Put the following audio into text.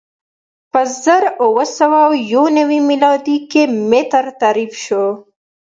په زر اووه سوه یو نوې میلادي کې متر تعریف شو.